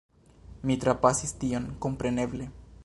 Mi trapasis tion, kompreneble.